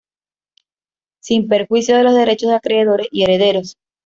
Sin perjuicio de los derechos de acreedores y herederos.